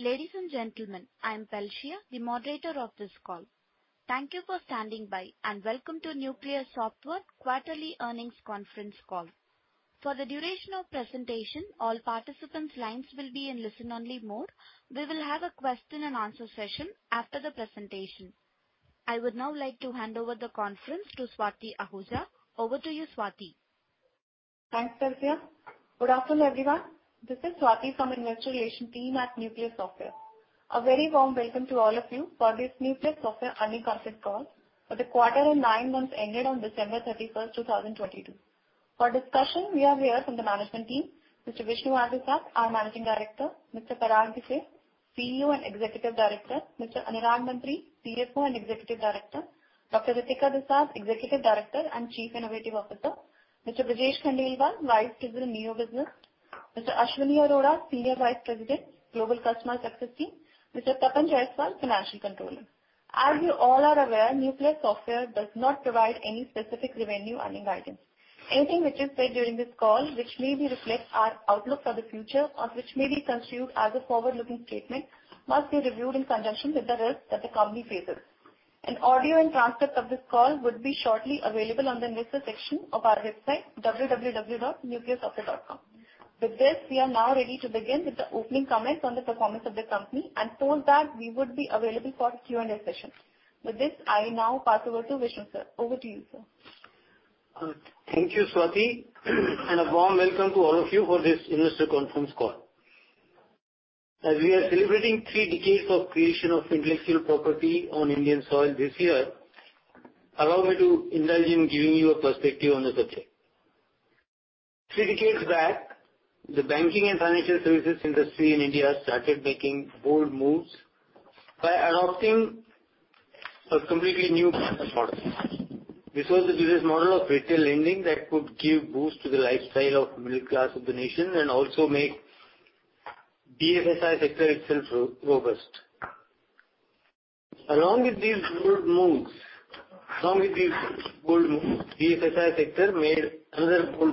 Good day, ladies and gentlemen. I'm Felicia, the moderator of this call. Thank you for standing by and welcome to Nucleus Software quarterly earnings conference call. For the duration of presentation, all participants' lines will be in listen-only mode. We will have a question and answer session after the presentation. I would now like to hand over the conference to Swati Ahuja. Over to you, Swati. Thanks, Felicia. Good afternoon, everyone. This is Swati from Investor Relation team at Nucleus Software. A very warm welcome to all of you for this Nucleus Software earning conference call for the quarter and nine months ended on December 31, 2022. For discussion, we are here from the management team, Mr. Vishnu R. Dusad, our Managing Director; Mr. Parag Bhise, CEO and Executive Director; Mr. Anurag Mantri, CFO and Executive Director; Dr. Ritika Dusad, Executive Director and Chief Innovation Officer; Mr. Brajesh Khandelwal, Vice President, NEO Business; Mr. Ashwani Arora, Senior Vice President, Global Customer Success Team; Mr. Tapan Jayaswal, Financial Controller. As you all are aware, Nucleus Software does not provide any specific revenue earning guidance. Anything which is said during this call which maybe reflect our outlook for the future or which may be construed as a forward-looking statement must be reviewed in conjunction with the risks that the company faces. An audio and transcript of this call would be shortly available on the investor section of our website, www.nucleussoftware.com. With this, we are now ready to begin with the opening comments on the performance of the company and post that, we would be available for Q&A session. With this, I now pass over to Vishnu, sir. Over to you, sir. Thank you, Swati, and a warm welcome to all of you for this investor conference call. As we are celebrating three decades of creation of intellectual property on Indian soil this year, allow me to indulge in giving you a perspective on the subject. Three decades back, the banking and financial services industry in India started making bold moves by adopting a completely new business model. This was the business model of retail lending that could give boost to the lifestyle of middle class of the nation and also make BFSI sector itself robust. Along with these bold moves, BFSI sector made another bold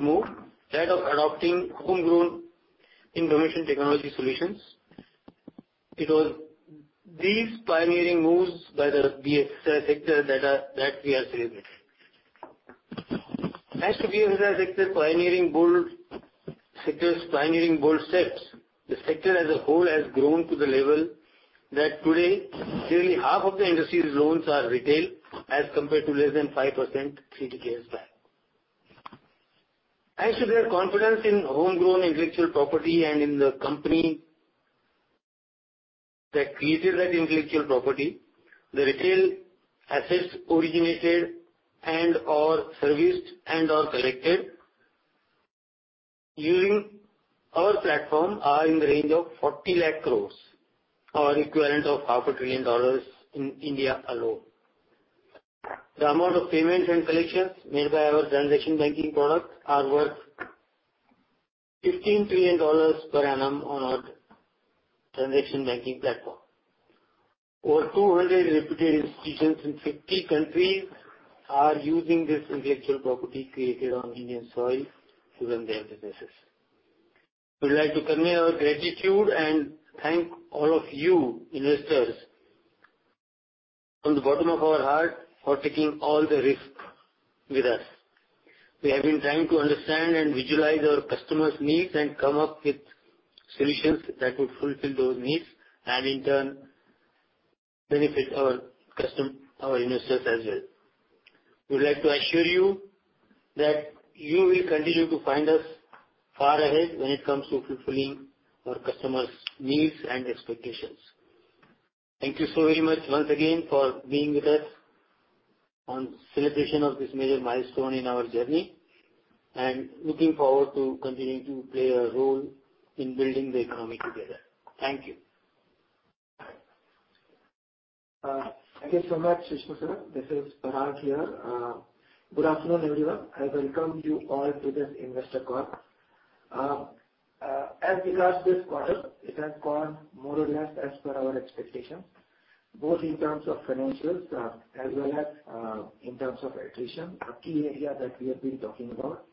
move, that of adopting homegrown information technology solutions. It was these pioneering moves by the BFSI sector that we are celebrating. Thanks to BFSI sector pioneering bold sectors, pioneering bold steps, the sector as a whole has grown to the level that today nearly half of the industry's loans are retailed as compared to less than 5% three decades back. As to their confidence in homegrown intellectual property and in the company that created that intellectual property, the retail assets originated and/or serviced and/or collected using our platform are in the range of 40 lakh crores or equivalent of half a trillion dollars in India alone. The number of payments and collections made by our transaction banking product are worth $15 trillion per annum on our transaction banking platform. Over 200 reputed institutions in 50 countries are using this intellectual property created on Indian soil to run their businesses. We'd like to convey our gratitude and thank all of you investors from the bottom of our heart for taking all the risk with us. We have been trying to understand and visualize our customers' needs and come up with solutions that would fulfill those needs and in turn benefit our investors as well. We'd like to assure you that you will continue to find us far ahead when it comes to fulfilling our customers' needs and expectations. Thank you so very much once again for being with us on celebration of this major milestone in our journey, and looking forward to continuing to play a role in building the economy together. Thank you. Thank you so much, Vishnu, Sir. This is Parag here. Good afternoon, everyone. I welcome you all to this investor call. As regards this quarter, it has gone more or less as per our expectation, both in terms of financials, as well as in terms of attrition, a key area that we have been talking about.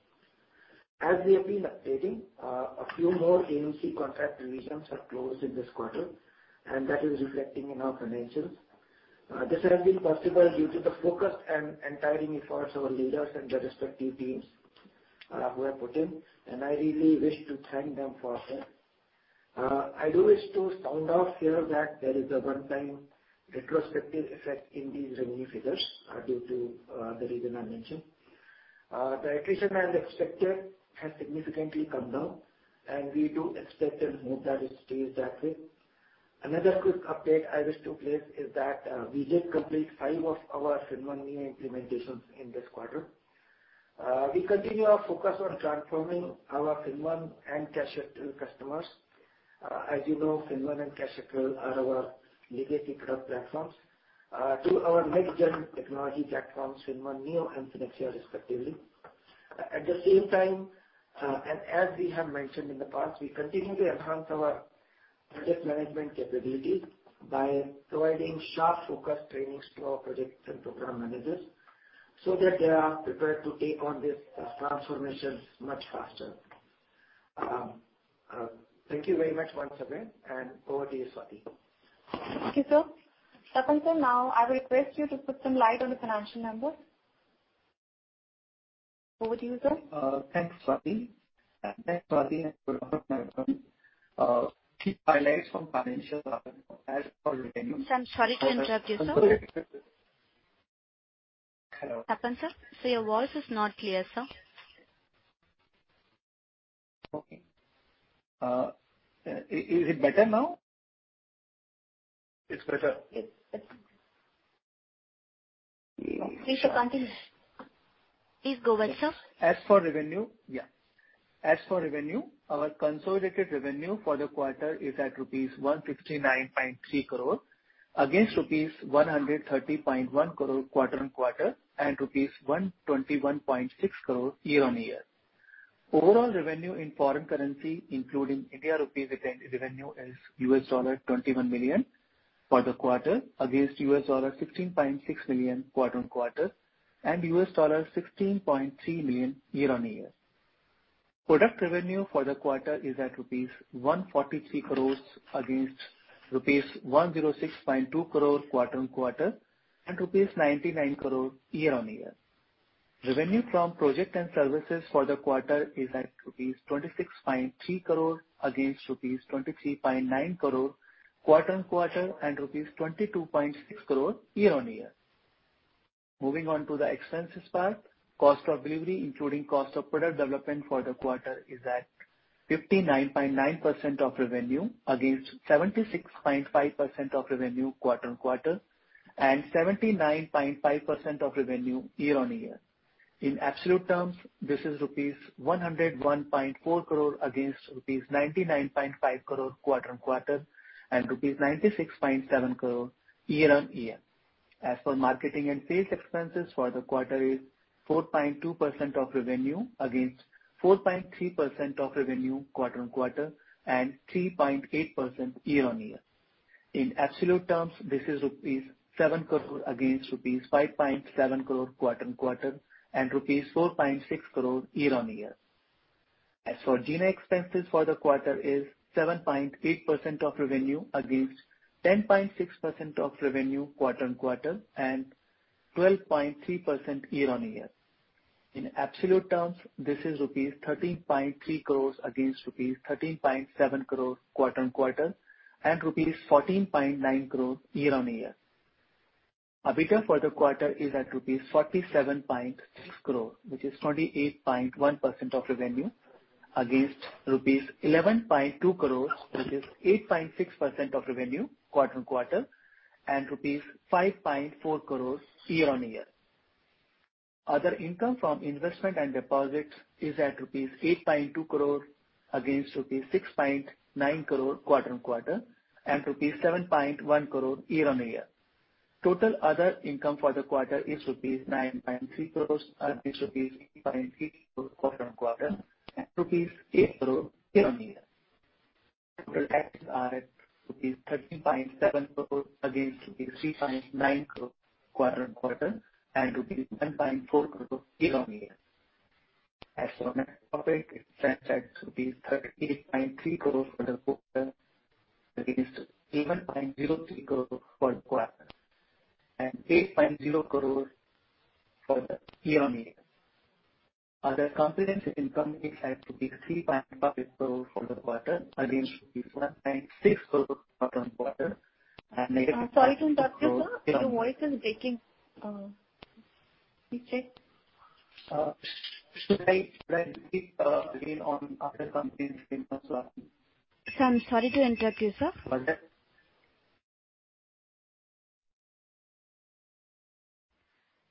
As we have been updating, a few more AMC contract revisions have closed in this quarter. That is reflecting in our financials. This has been possible due to the focus and untiring efforts our leaders and their respective teams who have put in. I really wish to thank them for that. I do wish to sound off here that there is a one-time retrospective effect in these revenue figures due to the reason I mentioned. The attrition as expected has significantly come down, and we do expect and hope that it stays that way. Another quick update I wish to place is that, we just completed five of our FinnOne Neo implementations in this quarter. We continue our focus on transforming our FinnOne and FinnAxia customers. As you know, FinnOne and FinnAxia are our legacy product platforms, to our next-gen technology platforms, FinnOne Neo and FinnAxia respectively. At the same time, and as we have mentioned in the past, we continue to enhance our project management capabilities by providing sharp focus trainings to our projects and program managers. That they are prepared to take on this transformation much faster. Thank you very much once again, and over to you, Swati. Thank you, sir. Tapan, sir, now I request you to put some light on the financial numbers. Over to you, sir. thanks, Swati. key highlights from financial Sir, I'm sorry to interrupt you, sir. Hello? Tapan, sir. Sir, your voice is not clear, sir. Okay. Is it better now? It's better. It's better. Yeah. Please continue, sir. Please go ahead, sir. Yeah. As for revenue, our consolidated revenue for the quarter is at rupees 159.3 crore against rupees 130.1 crore quarter-on-quarter and rupees 121.6 crore year-on-year. Overall revenue in foreign currency, including India rupee-linked revenue, is $21 million for the quarter against $16.6 million quarter-on-quarter and $16.3 million year-on-year. Product revenue for the quarter is at rupees 143 crore against rupees 106.2 crore quarter-on-quarter and rupees 99 crore year-on-year. Revenue from project and services for the quarter is at rupees 26.3 crore against rupees 23.9 crore quarter-on-quarter and rupees 22.6 crore year-on-year. Moving on to the expenses part. Cost of delivery, including cost of product development for the quarter, is at 59.9% of revenue against 76.5% of revenue quarter-on-quarter and 79.5% of revenue year-on-year. In absolute terms, this is rupees 101.4 crore against rupees 99.5 crore quarter-on-quarter and rupees 96.7 crore year-on-year. As for marketing and sales expenses for the quarter is 4.2% of revenue against 4.3% of revenue quarter-on-quarter and 3.8% year-on-year. In absolute terms, this is rupees 7 crore against rupees 5.7 crore quarter-on-quarter and rupees 4.6 crore year-on-year. As for G&A expenses for the quarter is 7.8% of revenue against 10.6% of revenue quarter-on-quarter and 12.3% year-on-year. In absolute terms, this is rupees 13.3 crores against rupees 13.7 crore quarter-on-quarter and rupees 14.9 crore year-on-year. EBITDA for the quarter is at rupees 47.6 crore, which is 28.1% of revenue against rupees 11.2 crores, which is 8.6% of revenue quarter-on-quarter and INR 5.4 crores year-on-year. Other income from investment and deposits is at rupees 8.2 crore against rupees 6.9 crore quarter-on-quarter and rupees 7.1 crore year-on-year. Total other income for the quarter is rupees 9.3 crores against rupees 8.3 crore quarter-on-quarter and rupees 8 crore year-on-year. Total expenses are at rupees 13.7 crore against rupees 3.9 crore quarter-on-quarter and rupees 1.4 crore year-on-year. As for net profit, it stands at rupees 38.3 crore for the quarter against 11.03 crore for the quarter and 8.0 crore for the year-on-year. Other comprehensive income is at 3.58 crore for the quarter against 1.6 crore quarter-on-quarter and negative-. Sorry to interrupt you, sir. Your voice is breaking, please check. Should I speak again on other comprehensive income, Swati? Sir, I'm sorry to interrupt you, sir. What's that?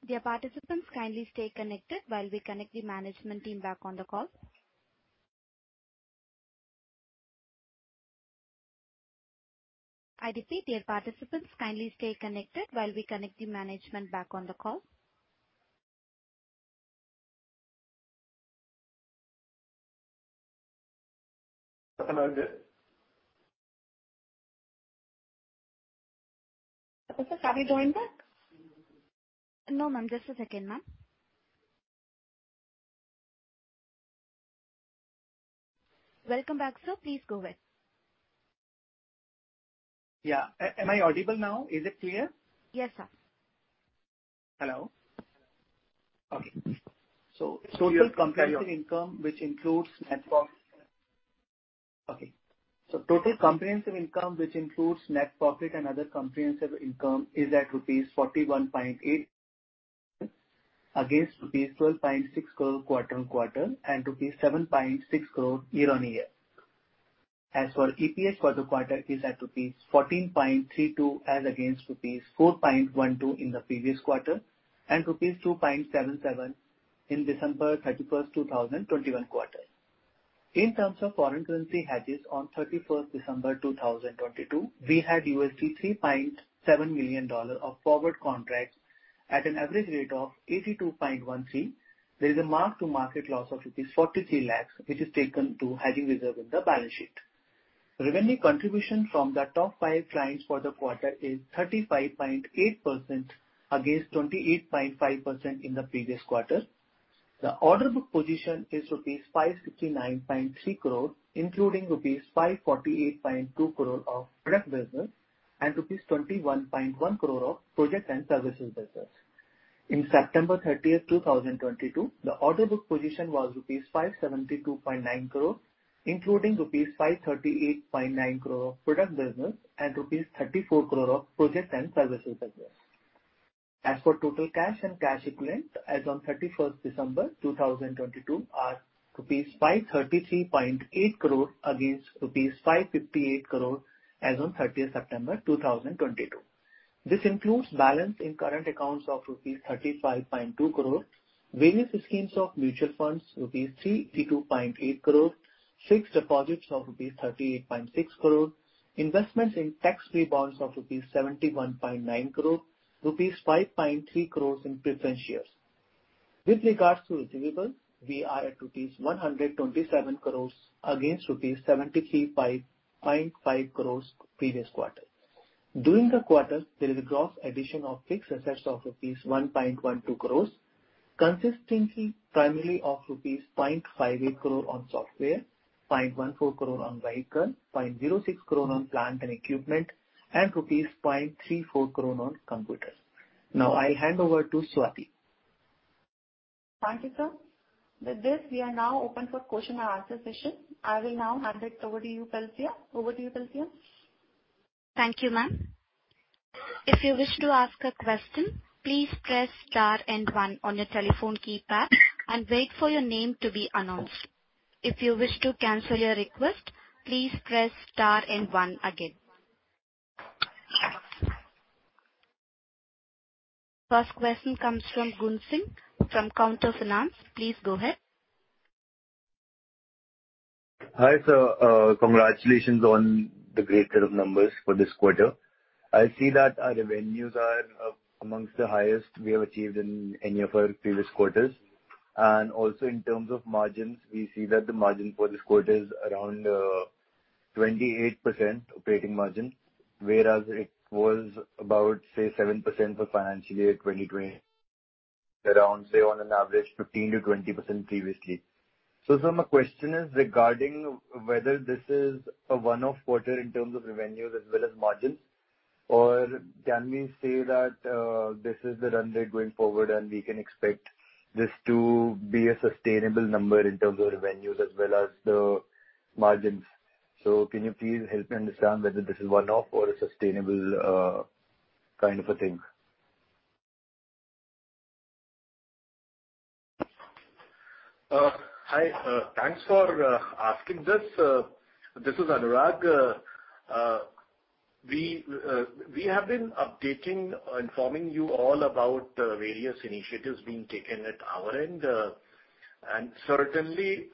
Dear participants, kindly stay connected while we connect the management team back on the call. I repeat, dear participants, kindly stay connected while we connect the management back on the call. Tapan here. Tapan, sir, are we joined back? No, ma'am. Just a second, ma'am. Welcome back, sir. Please go ahead. Yeah. Am I audible now? Is it clear? Yes, sir. Hello. Okay. Total comprehensive income, which includes net profit and other comprehensive income, is at rupees 41.8 against rupees 12.6 crore quarter-on-quarter and rupees 7.6 crore year-on-year. EPS for the quarter is at rupees 14.32 as against rupees 4.12 in the previous quarter and rupees 2.77 in December 31, 2021 quarter. In terms of foreign currency hedges on December 31, 2022, we had $3.7 million of forward contracts at an average rate of 82.13. There is a mark-to-market loss of rupees 43 lakhs, which is taken to hedging reserve in the balance sheet. Revenue contribution from the top five clients for the quarter is 35.8% against 28.5% in the previous quarter. The order book position is rupees 559.3 crores, including rupees 548.2 crore of product business and rupees 21.1 crore of project and services business. On September 30, 2022, the order book position was rupees 572.9 crore, including rupees 538.9 crore of product business and rupees 34 crore of project and services business. As for total cash and cash equivalent as on December 31, 2022, are 533.8 crore rupees against rupees 558 crore as on September 30, 2022. This includes balance in current accounts of rupees 35.2 crore, various schemes of mutual funds, rupees 382.8 crore, fixed deposits of rupees 38.6 crore, investments in tax-free bonds of 71.9 crore rupees, 5.3 crore in preference shares. With regards to receivables, we are at rupees 127 crore against rupees 73.5 crore previous quarter. During the quarter, there is a gross addition of fixed assets of rupees 1.12 crore, consisting primarily of rupees 0.58 crore on software, 0.14 crore on vehicle, 0.06 crore on plant and equipment, and rupees 0.34 crore on computers. I hand over to Swati. Thank you, sir. With this, we are now open for question-and-answer session. I will now hand it over to you, Felicia. Over to you, Felicia. Thank you, ma'am. If you wish to ask a question, please press star and one on your telephone keypad and wait for your name to be announced. If you wish to cancel your request, please press star and one again. First question comes from Gunsing from Counter Finance. Please go ahead. Hi, sir. Congratulations on the great set of numbers for this quarter. I see that our revenues are amongst the highest we have achieved in any of our previous quarters. In terms of margins, we see that the margin for this quarter is around 28% operating margin, whereas it was about, say, 7% for financial year 2020, around, say, on an average 15%-20% previously. Sir, my question is regarding whether this is a one-off quarter in terms of revenues as well as margin, or can we say that this is the run rate going forward and we can expect this to be a sustainable number in terms of revenues as well as the margins? Can you please help me understand whether this is one-off or a sustainable kind of a thing? Hi, thanks for asking this. This is Anurag. We have been updating, informing you all about the various initiatives being taken at our end. Certainly,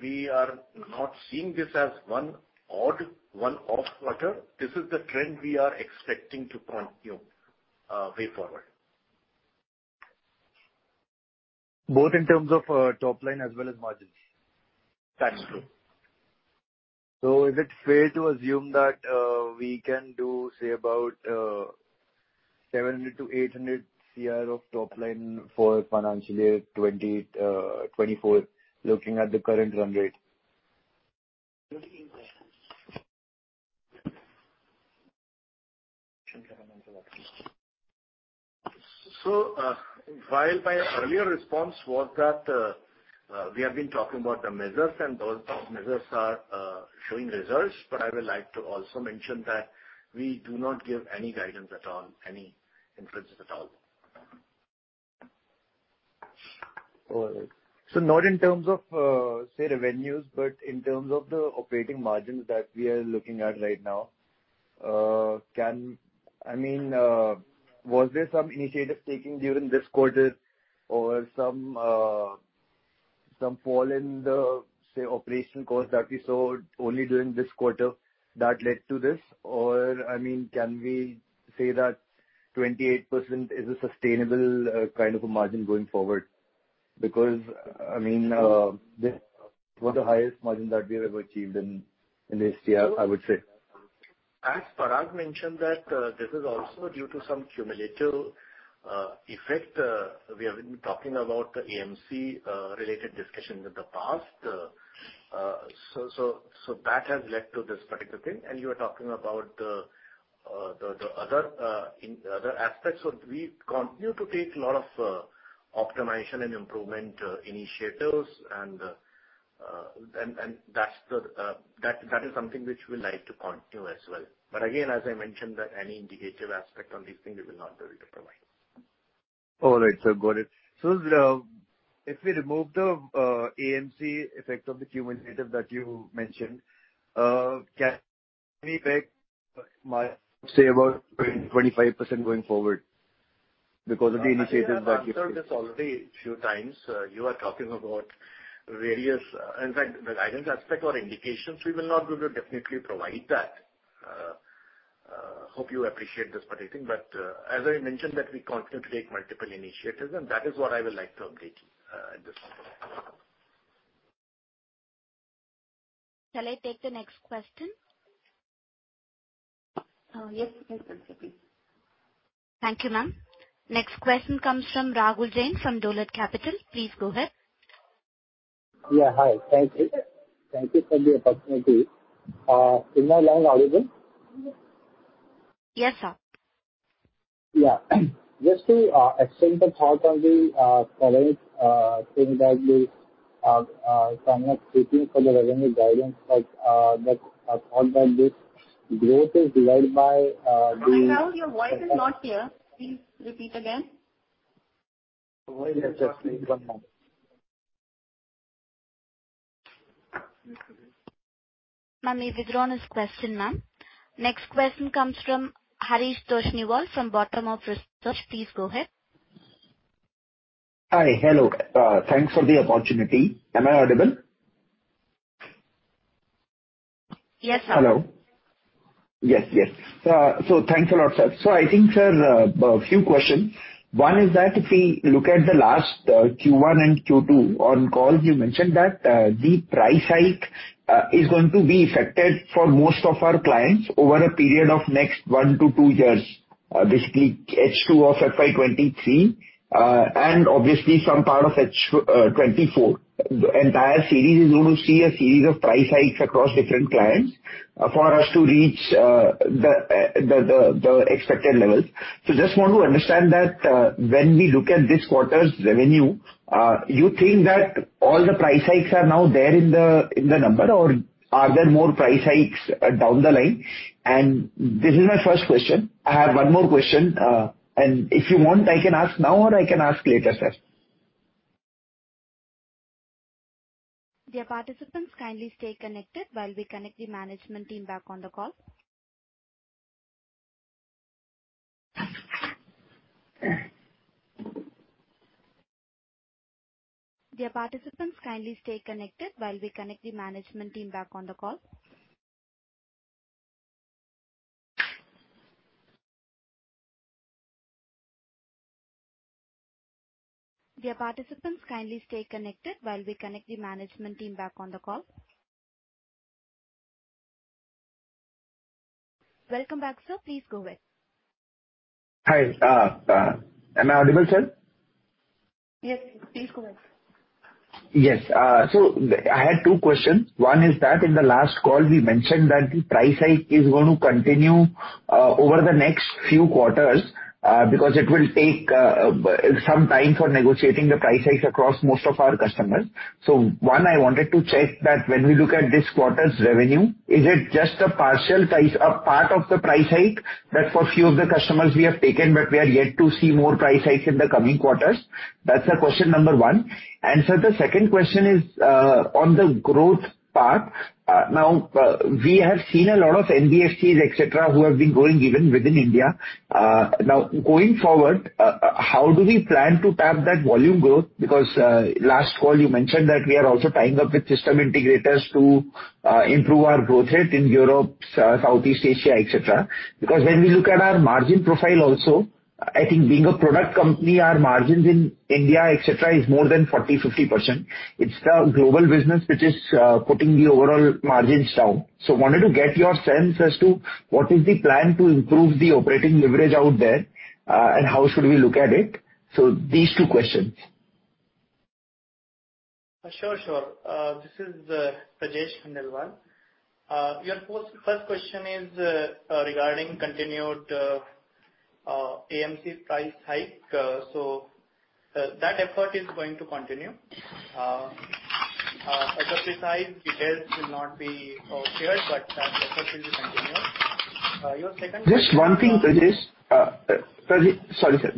we are not seeing this as one odd, one-off quarter. This is the trend we are expecting to continue way forward. Both in terms of top line as well as margins? That's true. Is it fair to assume that we can do, say, about 700 CR-INR 800 CR of top line for financial year 2024, looking at the current run rate? While my earlier response was that, we have been talking about the measures and those measures are showing results, but I would like to also mention that we do not give any guidance at all, any inferences at all. All right. Not in terms of, say, revenues, but in terms of the operating margins that we are looking at right now, I mean, was there some initiatives taken during this quarter or some fall in the, say, operation cost that we saw only during this quarter that led to this? I mean, can we say that 28% is a sustainable kind of a margin going forward? I mean, this was the highest margin that we have ever achieved in this year, I would say. As Parag mentioned that this is also due to some cumulative effect. We have been talking about the AMC related discussions in the past. That has led to this particular thing. You are talking about the other in other aspects. We continue to take lot of optimization and improvement initiatives and that's the that is something which we like to continue as well. Again, as I mentioned that any indicative aspect on these things, we will not be able to provide. All right, sir. Got it. If we remove the AMC effect of the cumulative that you mentioned, can we peg my, say, about 20%-25% going forward because of the initiatives that you? I think I've answered this already a few times. You are talking about various... In fact, the guidance aspect or indications, we will not be able to definitely provide that... Hope you appreciate this particular thing, but, as I mentioned that we continue to take multiple initiatives, and that is what I would like to update you at this point. Shall I take the next question? Yes, you can, Swati. Thank you, ma'am. Next question comes from Rahul Jain from Dolat Capital. Please go ahead. Yeah. Hi. Thank you. Thank you for the opportunity. Am I loud and audible? Yes, sir. Yeah. Just to extend the thought on the current thing that you are kind of seeking for the revenue guidance, like, that are caused by this. Growth is divided by. Hi, Rahul. Your voice is not clear. Please repeat again. The voice is not clear. Ma'am, he's withdrawn his question, ma'am. Next question comes from Harish Toshniwal from BottomUp Research. Please go ahead. Hi. Hello. Thanks for the opportunity. Am I audible? Yes, sir. Hello. Yes. Yes. Thanks a lot, sir. I think, sir, a few questions. One is that if we look at the last Q1 and Q2 on call, you mentioned that the price hike is going to be affected for most of our clients over a period of next one to two years, basically H2 of FY 2023, and obviously some part of H 2024. The entire series is going to see a series of price hikes across different clients for us to reach the expected levels. Just want to understand that when we look at this quarter's revenue, you think that all the price hikes are now there in the number, or are there more price hikes down the line? This is my first question. I have one more question. If you want, I can ask now or I can ask later, sir. Dear participants, kindly stay connected while we connect the management team back on the call. Welcome back, sir. Please go ahead. Hi. Am I audible, sir? Yes. Please go ahead. Yes. I had two questions. One is that in the last call we mentioned that the price hike is going to continue over the next few quarters, because it will take some time for negotiating the price hikes across most of our customers. One, I wanted to check that when we look at this quarter's revenue, is it just a partial price, a part of the price hike that for few of the customers we have taken, but we are yet to see more price hikes in the coming quarters? That's the question number one. Sir, the second question is on the growth part. We have seen a lot of NBFCs, etc., who have been growing even within India. Going forward, how do we plan to tap that volume growth? Last call you mentioned that we are also tying up with system integrators to improve our growth rate in Europe, Southeast Asia, etc. When we look at our margin profile also, I think being a product company, our margins in India, etc., is more than 40%, 50%. It's the global business which is putting the overall margins down. Wanted to get your sense as to what is the plan to improve the operating leverage out there, and how should we look at it. These two questions. Sure, sure. This is Brajesh Khandelwal. Your first question is regarding continued, AMC price hike. That effort is going to continue. As I precise, details will not be shared, but that effort will continue. Your second question. Just one thing, Brajesh.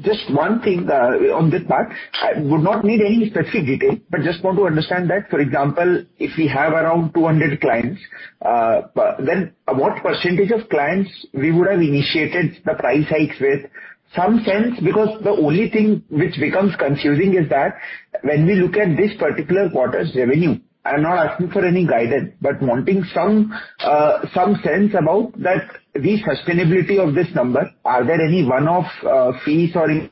Just one thing, on this part. I would not need any specific detail, but just want to understand that, for example, if we have around 200 clients, then what percentage of clients we would have initiated the price hikes with? Some sense, because the only thing which becomes confusing is that when we look at this particular quarter's revenue, I'm not asking for any guidance, but wanting some sense about that, the sustainability of this number. Are there any one-off fees or in...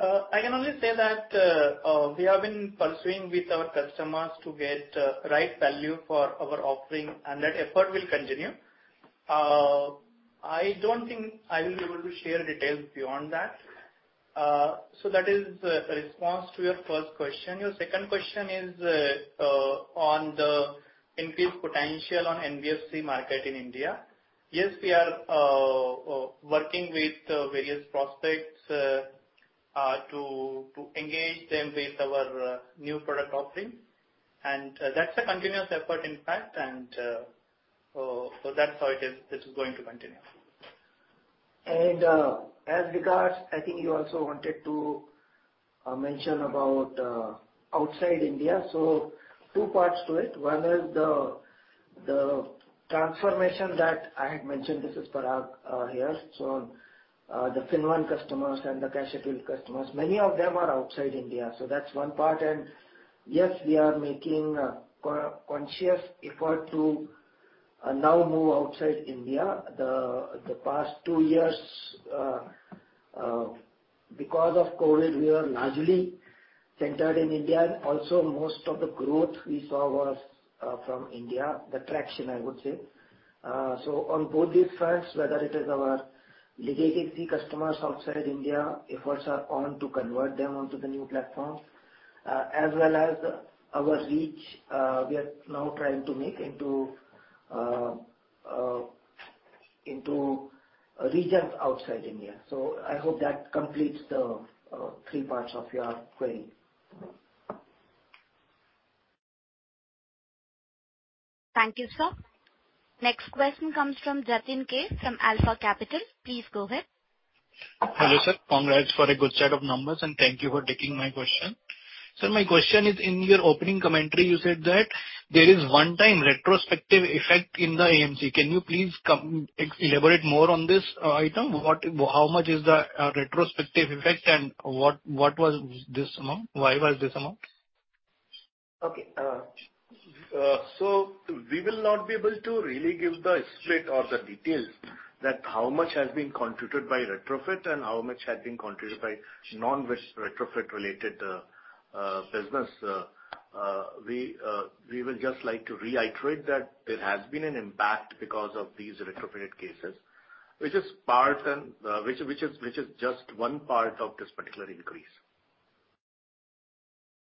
I can only say that we have been pursuing with our customers to get right value for our offering and that effort will continue. I don't think I will be able to share details beyond that. That is the response to your first question. Your second question is on the increase potential on NBFC market in India. Yes, we are working with various prospects to engage them with our new product offering, so that's how it is. This is going to continue. As regards, I think you also wanted to mention about outside India. Two parts to it. One is the transformation that I had mentioned. This is Parag here. The FinnOne customers and the FinnAxia customers, many of them are outside India. That's one part. Yes, we are making a conscious effort now move outside India. The past two years, because of COVID, we are largely centered in India. Also, most of the growth we saw was from India, the traction, I would say. on both these fronts, whether it is our legacy customers outside of India, efforts are on to convert them onto the new platforms, as well as our reach, we are now trying to make into regions outside India. I hope that completes the three parts of your query. Thank you, sir. Next question comes from Jatin K. From Alpha Capital. Please go ahead. Hello, sir. Congrats for a good set of numbers, and thank you for taking my question. Sir, my question is in your opening commentary, you said that there is one time retrospective effect in the AMC. Can you please elaborate more on this item? How much is the retrospective effect and what was this amount? Why was this amount? Okay. We will not be able to really give the split or the details that how much has been contributed by retrofit and how much has been contributed by non-retrofit related business. We would just like to reiterate that there has been an impact because of these retrofitted cases, which is part and which is just one part of this particular increase.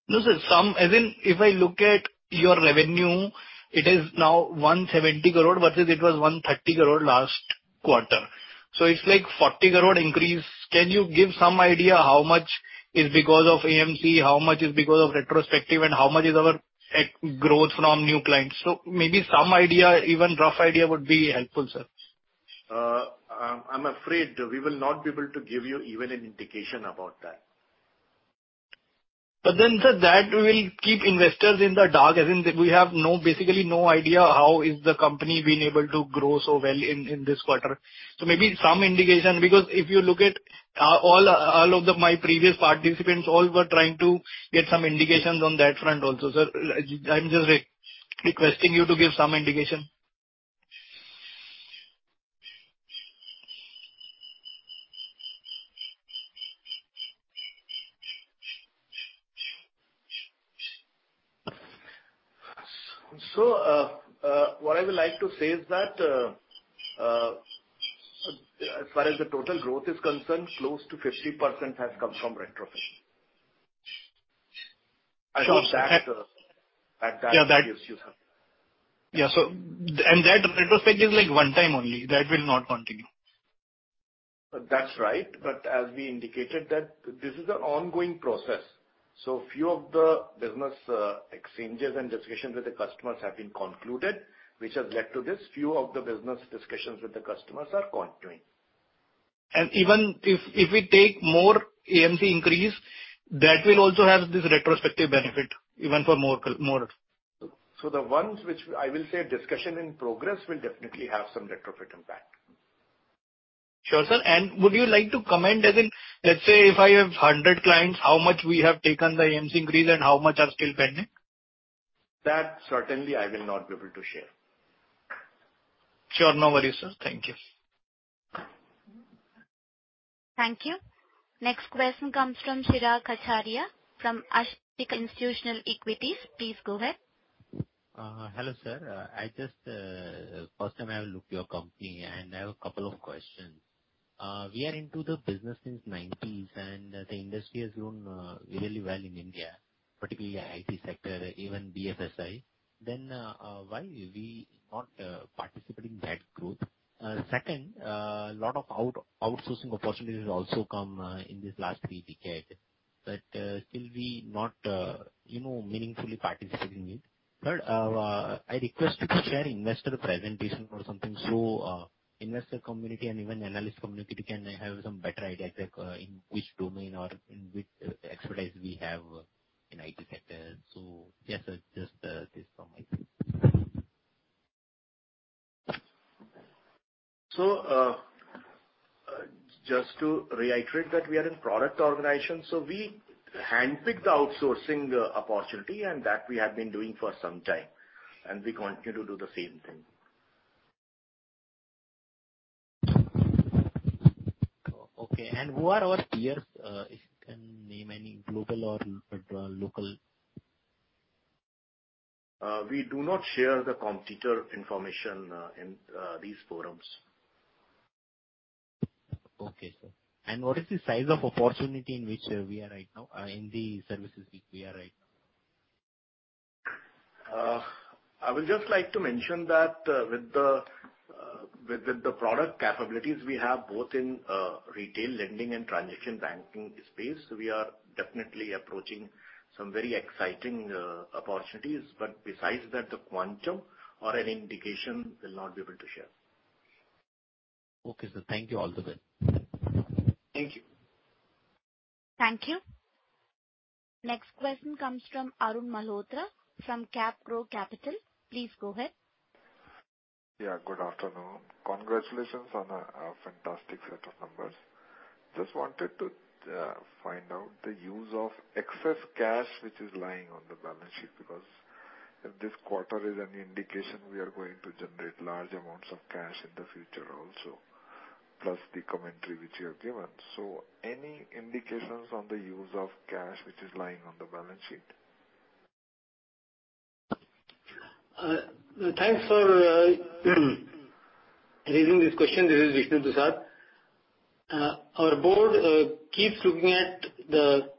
No, sir. Some as in if I look at your revenue, it is now 170 crore versus it was 130 crore last quarter. It's like 40 crore increase. Can you give some idea how much is because of AMC, how much is because of retrospective and how much is our growth from new clients? Maybe some idea, even rough idea would be helpful, sir. I'm afraid we will not be able to give you even an indication about that. Sir, that will keep investors in the dark, as in we have no idea how is the company been able to grow so well in this quarter. Maybe some indication, because if you look at all of the my previous participants all were trying to get some indications on that front also, sir. I'm just re-requesting you to give some indication. What I would like to say is that, as far as the total growth is concerned, close to 50% has come from retrofit. Sure. I hope that gives you some-... Yeah. That retrospective is like one time only. That will not continue. That's right. As we indicated that this is an ongoing process. Few of the business exchanges and discussions with the customers have been concluded, which has led to this. Few of the business discussions with the customers are continuing. Even if we take more AMC increase, that will also have this retrospective benefit even for more. The ones which I will say discussion in progress will definitely have some retrofit impact. Sure, sir. Would you like to comment as in, let's say if I have 100 clients, how much we have taken the AMC increase and how much are still pending? That certainly I will not be able to share. Sure. No worries, sir. Thank you. Thank you. Next question comes from Chirag Garcharia, from Ashika Institutional Equities. Please go ahead. Hello, sir. I just first time I look your company. I have a couple of questions. We are into the business since 1990s. The industry has grown really well in India, particularly IT sector, even BFSI. Why we not participating that growth? Second, a lot of outsourcing opportunities also come in this last three3 decades, still we not, you know, meaningfully participating in it. Third, I request you to share investor presentation or something. Investor community and even analyst community can have some better idea like in which domain or in which expertise we have in IT sector. Yes, just this from my side. Just to reiterate that we are in product organization, so we handpick the outsourcing opportunity and that we have been doing for some time, and we continue to do the same thing. Okay. Who are our peers? If you can name any global or local. We do not share the competitor information in these forums. Okay, sir. What is the size of opportunity in which we are right now, in the services we are right now? I would just like to mention that with the product capabilities we have both in retail lending and transaction banking space, we are definitely approaching some very exciting opportunities. Besides that, the quantum or an indication will not be able to share. Okay, sir. Thank you. All the best. Thank you. Thank you. Next question comes from Arun Malhotra from CapGrow Capital. Please go ahead. Yeah, good afternoon. Congratulations on a fantastic set of numbers. Just wanted to find out the use of excess cash which is lying on the balance sheet, because if this quarter is any indication, we are going to generate large amounts of cash in the future also, plus the commentary which you have given. Any indications on the use of cash which is lying on the balance sheet? Thanks for raising this question. This is Vishnu R. Dusad. Our board keeps looking at the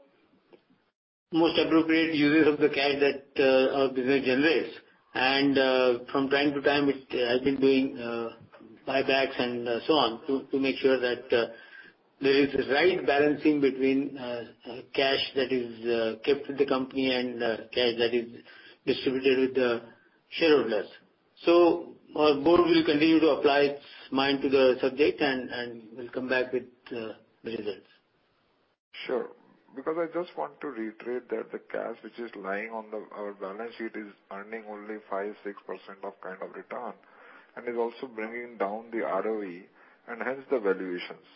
most appropriate uses of the cash that our business generates. From time to time, it has been doing buybacks and so on to make sure that there is right balancing between cash that is kept with the company and cash that is distributed with the shareholders. Our board will continue to apply its mind to the subject, and we'll come back with the results. Sure. I just want to reiterate that the cash which is lying on the-- our balance sheet is earning only 5%, 6% of kind of return and is also bringing down the ROE and hence the valuations.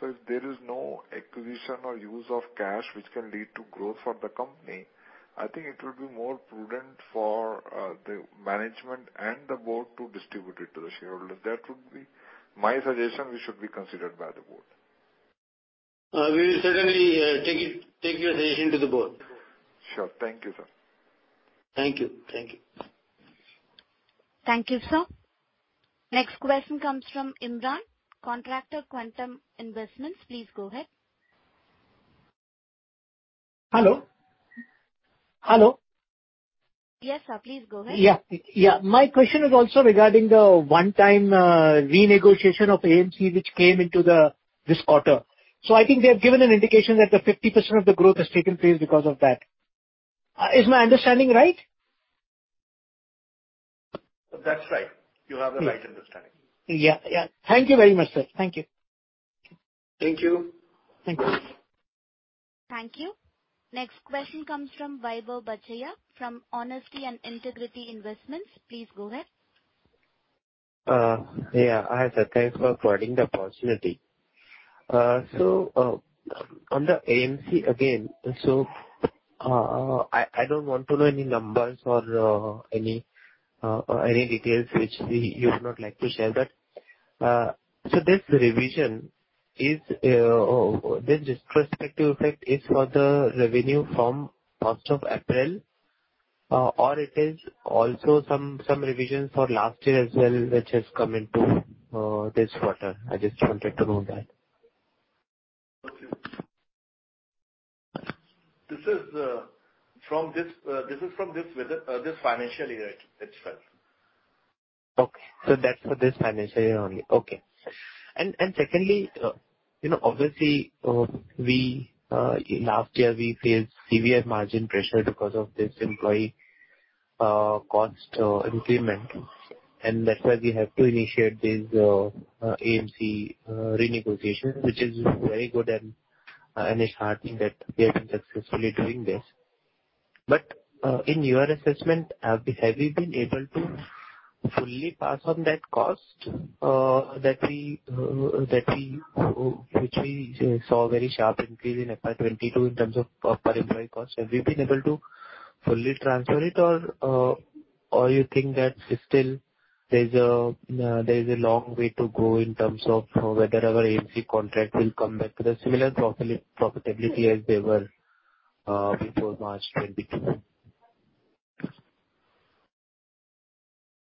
If there is no acquisition or use of cash which can lead to growth for the company, I think it will be more prudent for the management and the board to distribute it to the shareholders. That would be my suggestion, which should be considered by the board. We will certainly take it, take your suggestion to the board. Sure. Thank you, sir. Thank you. Thank you. Thank you, sir. Next question comes from Imran, Contractor Quantum Investments. Please go ahead. Hello? Hello? Yes, sir. Please go ahead. Yeah. Yeah. My question is also regarding the one-time renegotiation of AMC, which came into this quarter. I think they have given an indication that the 50% of the growth has taken place because of that. Is my understanding right? That's right. You have the right understanding. Yeah. Yeah. Thank you very much, sir. Thank you. Thank you. Thank you. Thank you. Next question comes from Vaibhav Badjatya, from Honesty and Integrity Investments. Please go ahead. Yeah. Hi, Swati. Thanks for providing the opportunity. On the AMC again, so, I don't want to know any numbers or any or any details which you would not like to share. This revision is this retrospective effect is for the revenue from first of April, or it is also some revisions for last year as well, which has come into this quarter? I just wanted to know that. Okay. This is from this, whether, this financial year itself. That's for this financial year only. Okay. Secondly, you know, obviously, we last year we faced severe margin pressure because of this employee cost increment, and that's why we have to initiate this AMC renegotiation, which is very good and it's heartening that we have been successfully doing this. In your assessment, have we been able to fully pass on that cost that we which we saw a very sharp increase in FY 2022 in terms of per employee cost? Have we been able to fully transfer it or you think that still there's a long way to go in terms of whether our AMC contract will come back to the similar profitability as they were before March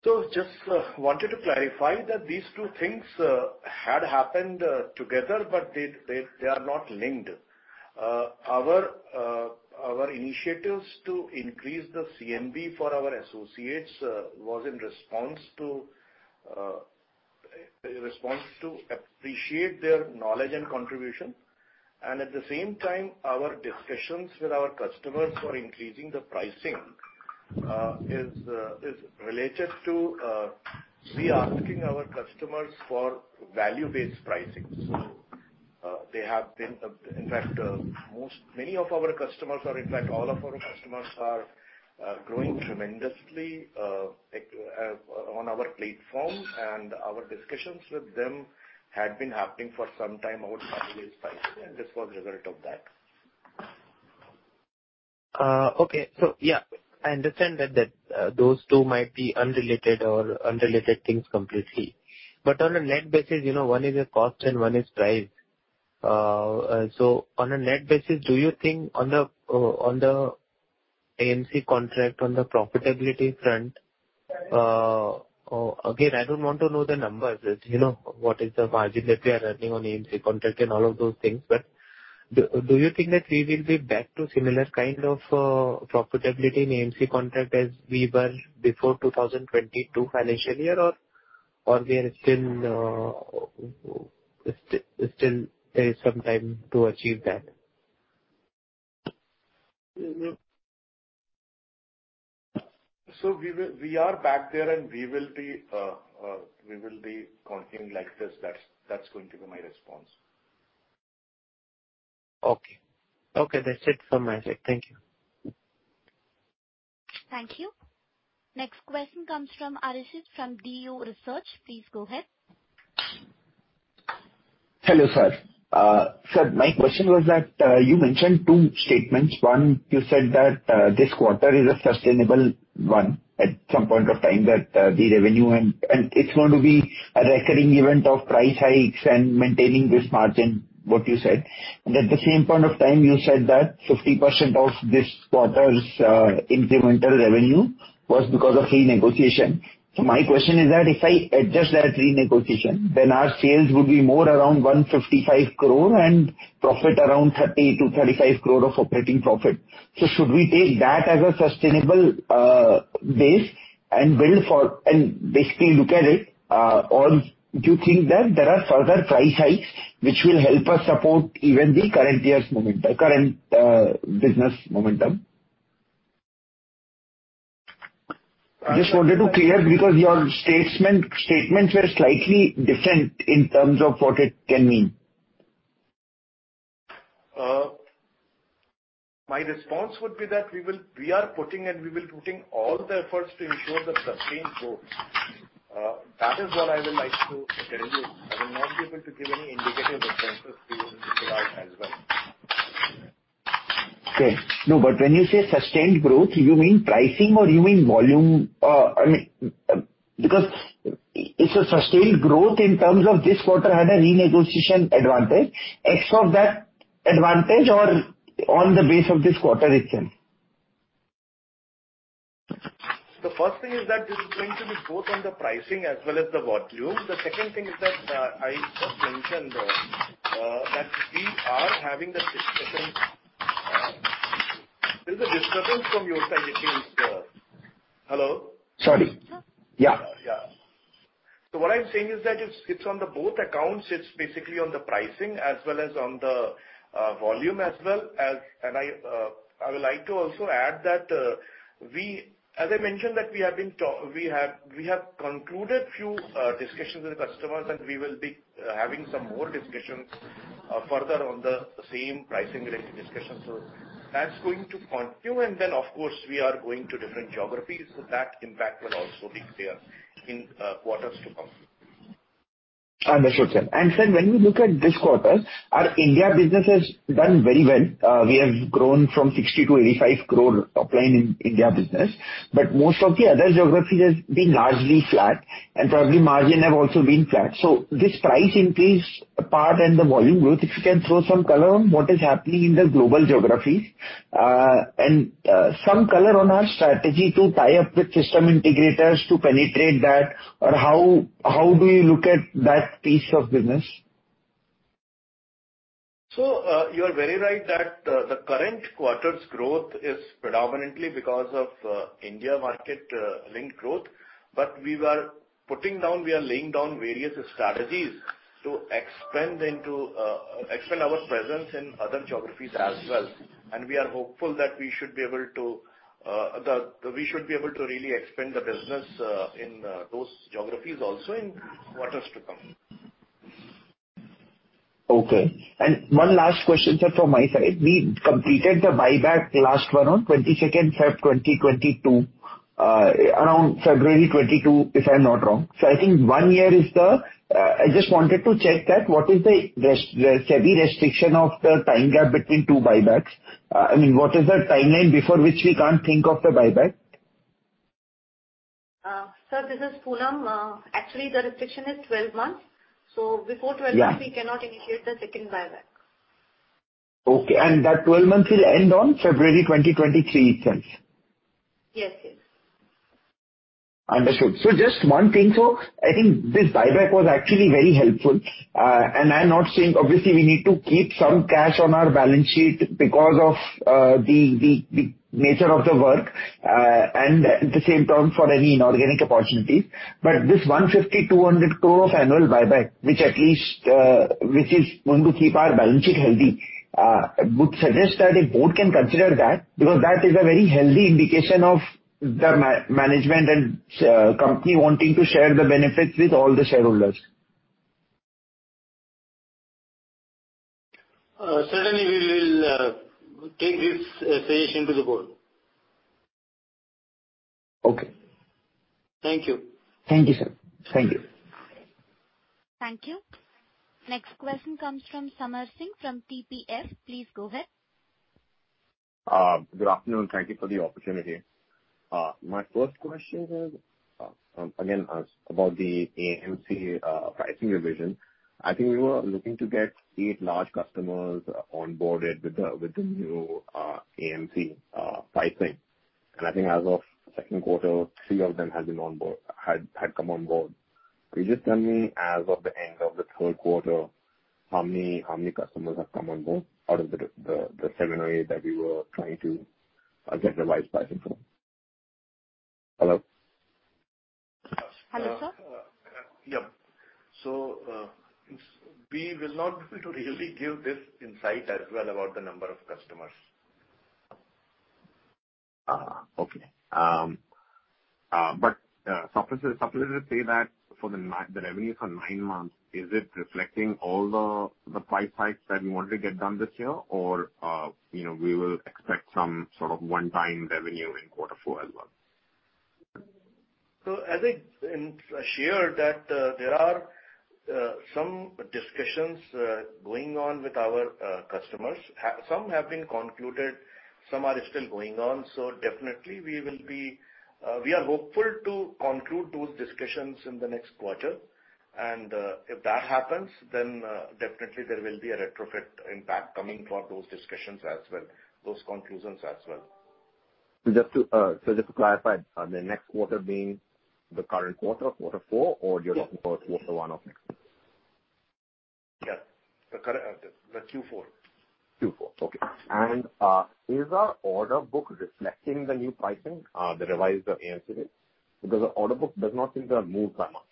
2022? Just wanted to clarify that these two things had happened together, but they are not linked. Our initiatives to increase the CMB for our associates was in response to appreciate their knowledge and contribution. At the same time, our discussions with our customers for increasing the pricing is related to we asking our customers for value-based pricing. In fact, all of our customers are growing tremendously on our platform, and our discussions with them had been happening for some time about value-based pricing, and this was result of that. Okay. Yeah, I understand that those two might be unrelated or unrelated things completely. On a net basis, you know, one is a cost and one is price. On a net basis, do you think on the AMC contract on the profitability front, again, I don't want to know the numbers. It's, you know, what is the margin that we are earning on AMC contract and all of those things. Do you think that we will be back to similar kind of profitability in AMC contract as we were before 2022 financial year or there is still some time to achieve that? We are back there, and we will be continuing like this. That's going to be my response. Okay. Okay, that's it from my side. Thank you. Thank you. Next question comes from Arishit from DU Research. Please go ahead. Hello, sir. Sir, my question was that you mentioned two statements. One, you said that this quarter is a sustainable one at some point of time that, the revenue and it's going to be a recurring event of price hikes and maintaining this margin, what you said. At the same point of time, you said that 50% of this quarter's incremental revenue was because of renegotiation. My question is that if I adjust that renegotiation, then our sales would be more around 155 crore and profit around 30-35 crore of operating profit. Should we take that as a sustainable base and build for and basically look at it, or do you think that there are further price hikes which will help us support even the current year's momentum, current business momentum? Just wanted to clear because your statements were slightly different in terms of what it can mean. My response would be that we are putting and we will be putting all the efforts to ensure the sustained growth. That is what I would like to tell you. I will not be able to give any indicative expenses to you at this point as well. Okay. No, when you say sustained growth, you mean pricing or you mean volume? I mean, if it's a sustained growth in terms of this quarter had a renegotiation advantage, X of that advantage or on the base of this quarter itself. The first thing is that this is going to be both on the pricing as well as the volume. The second thing is that I just mentioned that we are having the discussions... There's a disturbance from your side, Nikhil, sir. Hello? Sorry. Yeah. Yeah. What I'm saying is that it's on the both accounts. It's basically on the pricing as well as on the volume as well. I would like to also add that, as I mentioned that we have concluded few discussions with customers, and we will be having some more discussions further on the same pricing-related discussions. That's going to continue. Of course, we are going to different geographies, so that impact will also be clear in quarters to come. Understood, sir. Sir, when we look at this quarter, our India business has done very well. We have grown from 60 crore-85 crore top line in India business. Most of the other geographies has been largely flat. Probably margin have also been flat. This price increase part and the volume growth, if you can throw some color on what is happening in the global geographies, some color on our strategy to tie up with system integrators to penetrate that or how do you look at that piece of business? You are very right that the current quarter's growth is predominantly because of India market linked growth. We were putting down, we are laying down various strategies to expand into, expand our presence in other geographies as well. We are hopeful that we should be able to really expand the business in those geographies also in quarters to come. Okay. One last question, sir, from my side. We completed the buyback last one on 22nd Feb 2022, around February 22, if I'm not wrong. I think one year is the. I just wanted to check that what is the SEBI restriction of the time gap between two buybacks? I mean, what is the timeline before which we can't think of a buyback? Sir, this is Poonam. Actually, the restriction is 12 months. Before 12 months. Yeah. We cannot initiate the second buyback. Okay. That 12 months will end on February 2023 itself? Yes, yes. Understood. Just one thing, I think this buyback was actually very helpful. I'm not saying obviously we need to keep some cash on our balance sheet because of the nature of the work and the same term for any inorganic opportunities. This 150-200 crore of annual buyback, which at least is going to keep our balance sheet healthy, would suggest that if board can consider that, because that is a very healthy indication of the management and company wanting to share the benefits with all the shareholders. Certainly we will take this suggestion to the board. Okay. Thank you. Thank you, sir. Thank you. Thank you. Next question comes from Samarth Singh from TPS. Please go ahead. Good afternoon. Thank you for the opportunity. My first question is, again, about the AMC pricing revision. I think you were looking to get 8 large customers onboarded with the, with the new AMC pricing. I think as of second quarter, 3 of them had come on board. Could you just tell me as of the end of the third quarter, how many customers have come on board out of the 7 or 8 that we were trying to get revised pricing from? Hello? Hello, sir. Yeah. We will not be able to really give this insight as well about the number of customers. Okay. supplementary to say that for the revenue for 9 months, is it reflecting all the price hikes that you wanted to get done this year or, you know, we will expect some sort of one-time revenue in Q4 as well? As I shared that there are some discussions going on with our customers. Some have been concluded, some are still going on, so definitely we are hopeful to conclude those discussions in the next quarter. If that happens, then definitely there will be a retrofit impact coming for those discussions as well, those conclusions as well. Just to clarify, the next quarter being the current quarter 4, or you're talking about quarter 1 of next year? Yeah. The current. The Q4. Q4. Okay. Is our order book reflecting the new pricing, the revised AMC? Because the order book does not seem to have moved that much.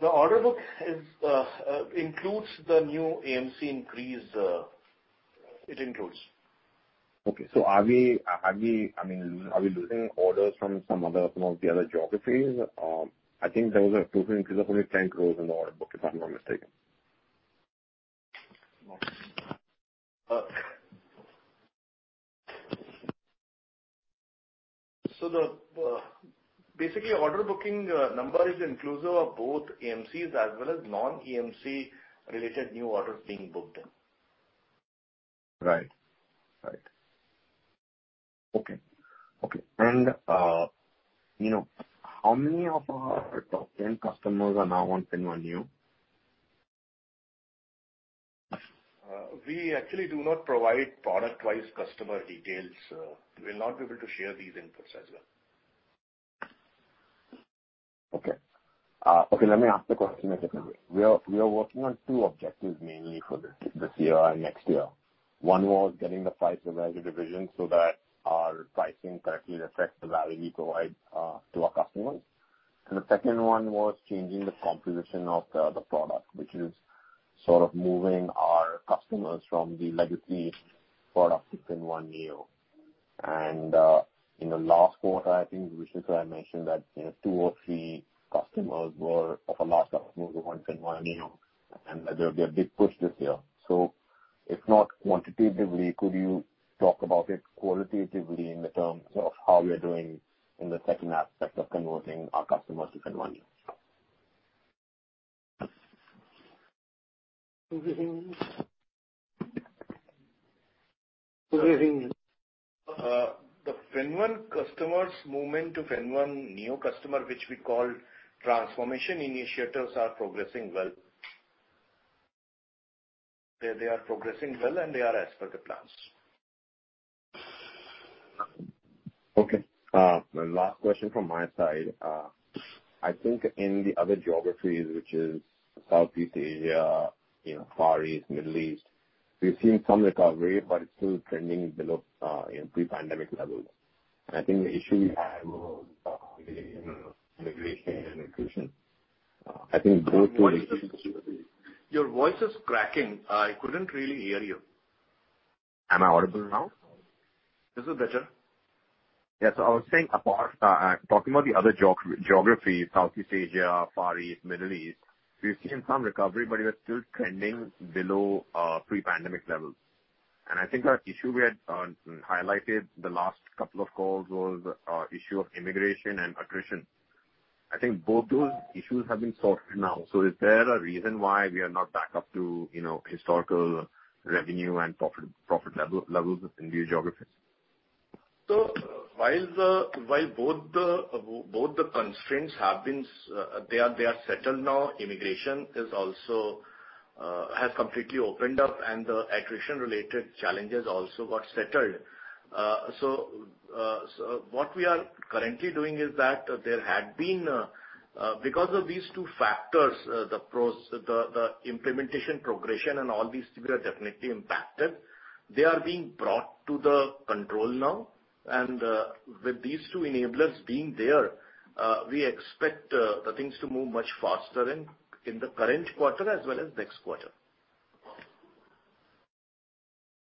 The order book includes the new AMC increase. it includes. Okay. Are we, I mean, are we losing orders from some other, from the other geographies? I think there was a total increase of only 10 crores in the order book, if I'm not mistaken. The basically order booking number is inclusive of both AMCs as well as non-AMC related new orders being booked in. Right. Right. Okay. Okay. you know, how many of our top 10 customers are now on FinnOne Neo? We actually do not provide product-wise customer details. We'll not be able to share these inputs as well. Okay, let me ask the question in a different way. We are working on two objectives mainly for this year and next year. One was getting the price revision so that our pricing correctly reflects the value we provide to our customers. The second one was changing the composition of the product, which is sort of moving our customers from the legacy product to FinnOne Neo. In the last quarter, I think Visheshwara mentioned that, you know, two or three customers were of a large customer move to FinnOne Neo, and there'll be a big push this year. If not quantitatively, could you talk about it qualitatively in the terms of how we are doing in the second aspect of converting our customers to FinnOne Neo? The FinnOne customers movement to FinnOne Neo customer, which we call transformation initiatives, are progressing well. They are progressing well, and they are as per the plans. Okay. The last question from my side. I think in the other geographies, which is Southeast Asia, you know, Far East, Middle East, we've seen some recovery, but it's still trending below, you know, pre-pandemic levels. I think the issue we had, you know, immigration and attrition, I think both those issues- Your voice is cracking. I couldn't really hear you. Am I audible now? This is better. Yes. I was saying apart... talking about the other geography, Southeast Asia, Far East, Middle East, we've seen some recovery, but we're still trending below pre-pandemic levels. I think our issue we had highlighted the last couple of calls was issue of immigration and attrition. I think both those issues have been sorted now. Is there a reason why we are not back up to, you know, historical revenue and profit levels in these geographies? While both the constraints have been... they are settled now. Immigration is also has completely opened up, and the attrition related challenges also got settled. What we are currently doing is that there had been... Because of these two factors, the implementation progression and all these three are definitely impacted. They are being brought to the control now. With these two enablers being there, we expect the things to move much faster in the current quarter as well as next quarter.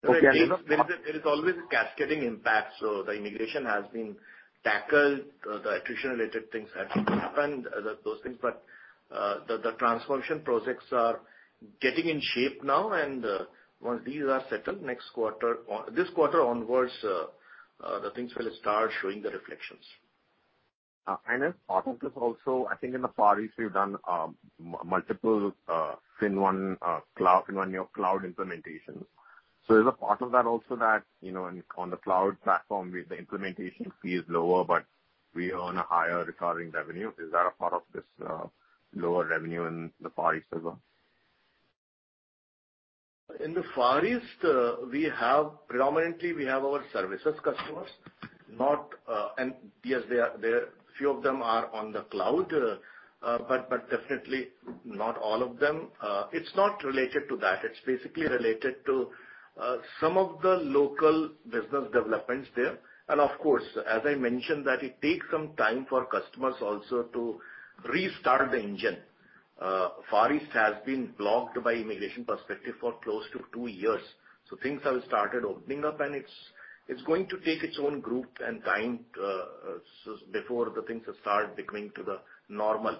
Okay. There is always a cascading impact. The immigration has been tackled. The attrition related things have opened those things. The transformation projects are getting in shape now. Once these are settled next quarter or this quarter onwards, the things will start showing the reflections. As part of this also, I think in the Far East we've done multiple FinnOne cloud, FinnOne Neo cloud implementations. Is a part of that also that, you know, on the cloud platform with the implementation fee is lower, but we earn a higher recurring revenue? Is that a part of this lower revenue in the Far East as well? In the Far East, we have predominantly our services customers, not. Yes, they are few of them are on the cloud, but definitely not all of them. It's not related to that. It's basically related to some of the local business developments there. Of course, as I mentioned, that it takes some time for customers also to restart the engine. Far East has been blocked by immigration perspective for close to 2 years. Things have started opening up, and it's going to take its own group and time before the things start becoming to the normal.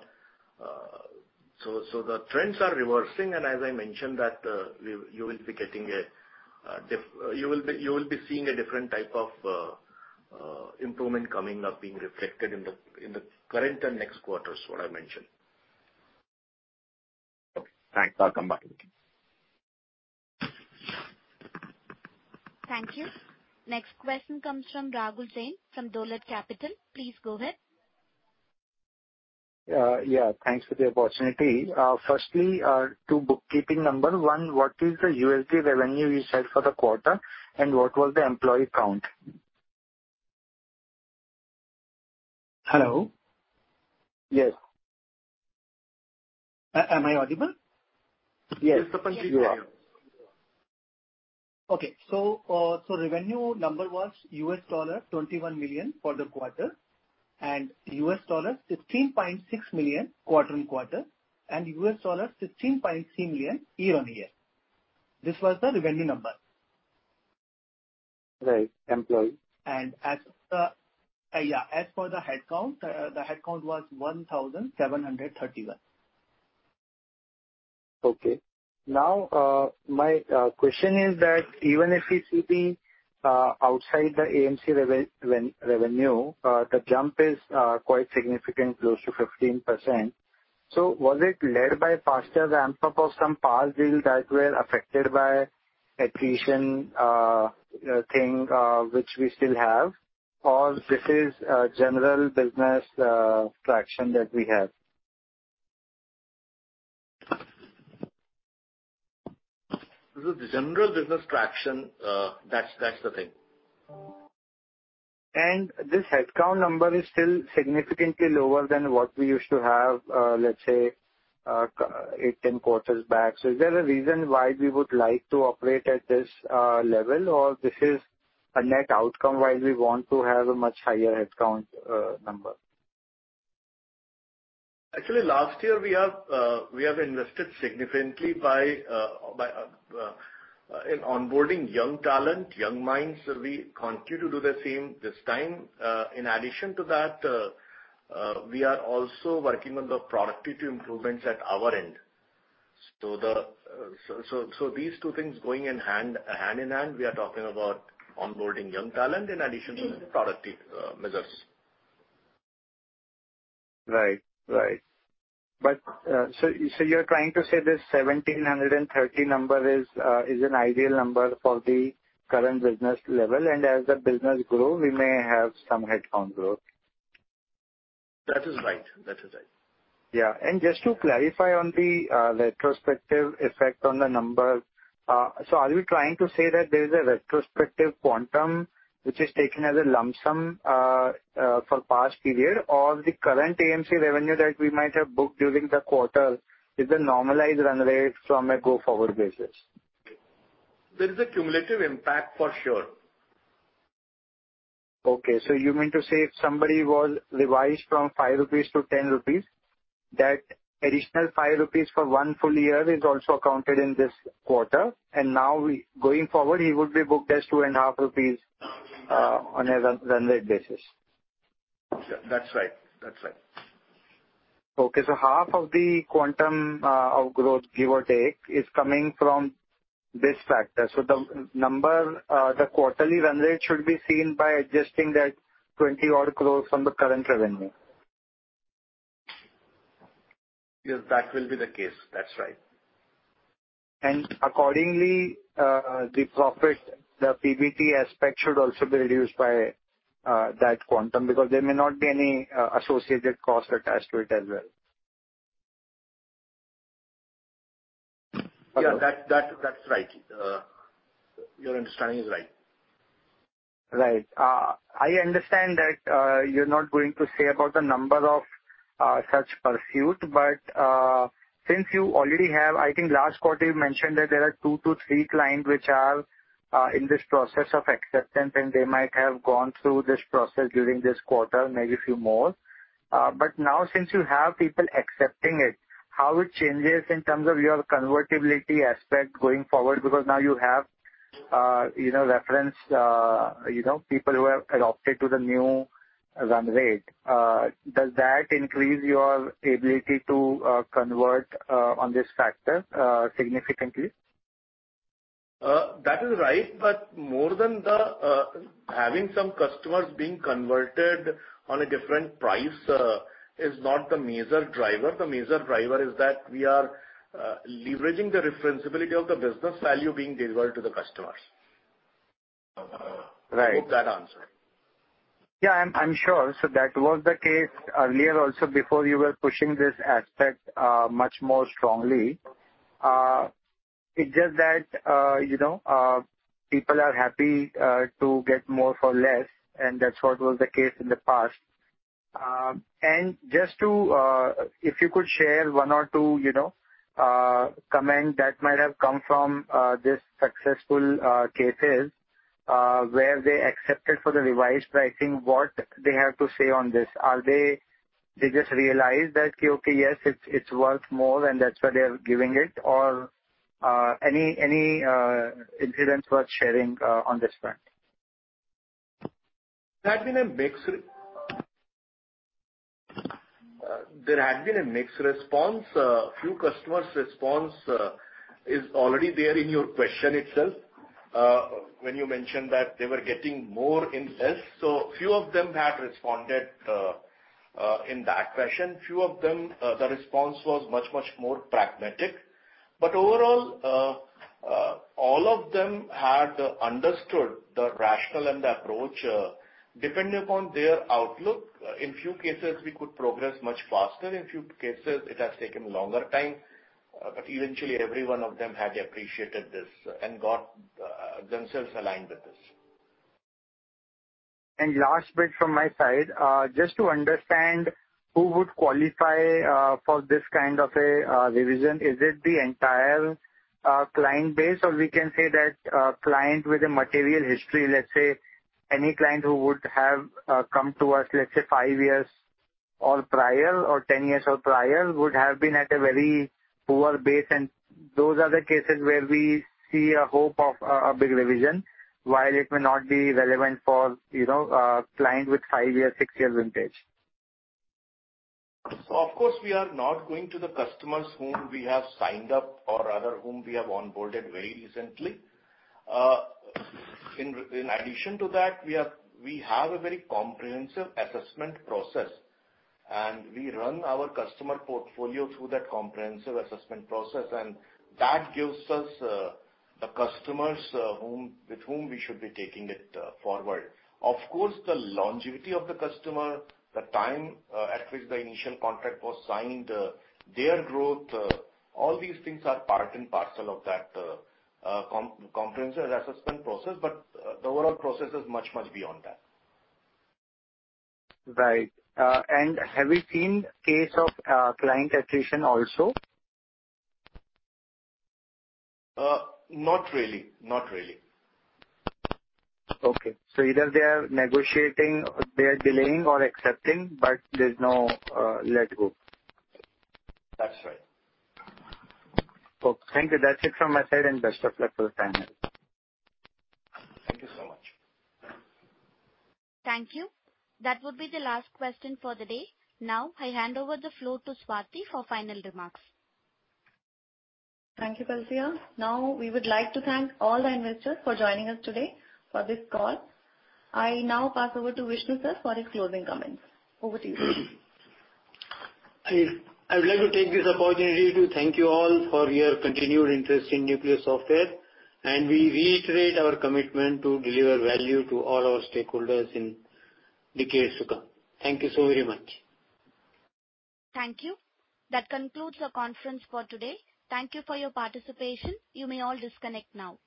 The trends are reversing, as I mentioned that, you will be getting a, you will be seeing a different type of improvement coming up being reflected in the current and next quarters, what I mentioned. Okay, thanks. Welcome back. Thank you. Next question comes from Rahul Jain from Dolat Capital. Please go ahead. Yeah, thanks for the opportunity. Firstly, two bookkeeping. Number one, what is the USD revenue you said for the quarter, and what was the employee count? Hello? Yes. Am I audible? Yes, you are. Okay. Revenue number was $21 million for the quarter and $16.6 million quarter-on-quarter and $16.3 million year-on-year. This was the revenue number. Right. Employee? Yeah, as for the headcount, the headcount was 1,731. Okay. Now, my question is that even if we see the outside the AMC revenue, the jump is quite significant, close to 15%. Was it led by faster ramp-up of some past deals that were affected by attrition, thing, which we still have, or this is a general business, traction that we have? This is general business traction. That's the thing. This headcount number is still significantly lower than what we used to have, let's say, 8, 10 quarters back. Is there a reason why we would like to operate at this level, or this is a net outcome why we want to have a much higher headcount number? Actually, last year, we have invested significantly by in onboarding young talent, young minds. We continue to do the same this time. In addition to that, we are also working on the productivity improvements at our end. These two things going in hand in hand, we are talking about onboarding young talent in addition to productivity measures. Right. Right. So you're trying to say this 1,730 number is an ideal number for the current business level, and as the business grow, we may have some headcount growth? That is right. That is right. Yeah. Just to clarify on the retrospective effect on the number, are we trying to say that there's a retrospective quantum which is taken as a lump sum for past period or the current AMC revenue that we might have booked during the quarter is the normalized run rate from a go-forward basis? There is a cumulative impact, for sure. Okay. You mean to say if somebody was revised from five rupees to 10 rupees, that additional five rupees for one full year is also accounted in this quarter, and now going forward, he would be booked as two and a half rupees on a run rate basis? That's right. That's right. Okay. Half of the quantum of growth, give or take, is coming from this factor. The number, the quarterly run rate should be seen by adjusting that 20 odd crores from the current revenue. Yes, that will be the case. That's right. Accordingly, the profit, the PBT aspect should also be reduced by that quantum because there may not be any associated cost attached to it as well. Yeah. That's right. Your understanding is right. Right. I understand that you're not going to say about the number of such pursuit, but since you already have, I think last quarter you mentioned that there are two to three clients which are in this process of acceptance, and they might have gone through this process during this quarter, maybe a few more. Now since you have people accepting it, how it changes in terms of your convertibility aspect going forward, because now you have, you know, reference, you know, people who have adopted to the new run rate. Does that increase your ability to convert on this factor significantly? That is right. More than the having some customers being converted on a different price is not the major driver. The major driver is that we are leveraging the reference ability of the business value being delivered to the customers. Right. I hope that answered. Yeah, I'm sure. That was the case earlier also before you were pushing this aspect much more strongly. It's just that, you know, people are happy to get more for less, and that's what was the case in the past. Just to, if you could share one or two, you know, comment that might have come from this successful cases where they accepted for the revised pricing, what they have to say on this. Are they? They just realized that, okay, yes, it's worth more and that's why they are giving it or any incidents worth sharing on this front. There had been a mixed response. A few customers' response is already there in your question itself when you mentioned that they were getting more in less. Few of them had responded in that fashion. Few of them, the response was much, much more pragmatic. Overall, all of them had understood the rationale and the approach depending upon their outlook. In few cases, we could progress much faster. In few cases, it has taken longer time. Eventually every one of them had appreciated this and got themselves aligned with this. Last bit from my side. Just to understand who would qualify for this kind of a revision. Is it the entire client base, or we can say that a client with a material history, let's say any client who would have come to us, let's say five years or prior or 10 years or prior would have been at a very poor base? Those are the cases where we see a hope of a big revision while it may not be relevant for, you know, a client with five years, six years vintage. Of course, we are not going to the customers whom we have signed up or rather whom we have onboarded very recently. In addition to that, we have a very comprehensive assessment process. We run our customer portfolio through that comprehensive assessment process, and that gives us, the customers with whom we should be taking it forward. Of course, the longevity of the customer, the time, at which the initial contract was signed, their growth, all these things are part and parcel of that, comprehensive assessment process. The overall process is much beyond that. Right. Have you seen case of, client attrition also? Not really. Not really. Okay. Either they are negotiating, they are delaying or accepting, but there's no, let go. That's right. Okay. Thank you. That's it from my side. Best of luck for the time ahead. Thank you so much. Thank you. That would be the last question for the day. Now I hand over the floor to Swati for final remarks. Thank you, Felicia. Now, we would like to thank all the investors for joining us today for this call. I now pass over to Vishnu, sir, for his closing comments. Over to you, sir. I would like to take this opportunity to thank you all for your continued interest in Nucleus Software. We reiterate our commitment to deliver value to all our stakeholders in decades to come. Thank you so very much. Thank you. That concludes our conference for today. Thank you for your participation. You may all disconnect now.